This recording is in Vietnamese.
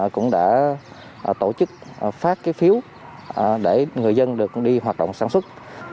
cũng đã tổ chức phát phiếu để người dân được đi hoạt động sản xuất